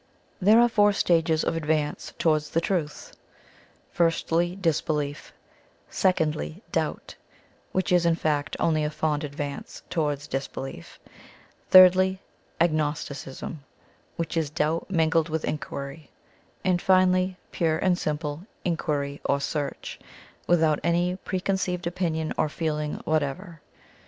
There are four stages of advance towards the truth: firstly, Disbelief; secondly, Doubt, which is, in fact, only a fond advance towards Disbelief; thirdly, Agnosticism, which is Doubt mingled with Inquiry; and, finally, pure and simple Inquiry or Search, without any preconceived opinion or feeling whatever.